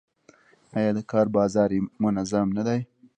آیا د کار بازار یې منظم نه دی؟